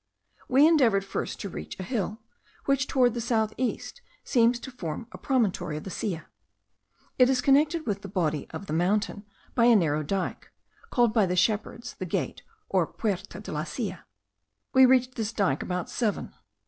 We endeavoured first to reach a hill, which towards the south east seems to form a promontory of the Silla. It is connected with the body of the mountain by a narrow dyke, called by the shepherds the Gate, or Puerta de la Silla. We reached this dyke about seven.